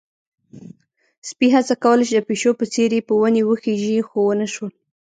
سپي هڅه کوله چې د پيشو په څېر په ونې وخيژي، خو ونه شول.